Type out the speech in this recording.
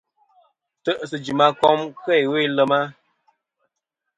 Ntè'sɨ jɨm a kom iwo i lema.